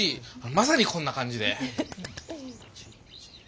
まさにこんな感じで。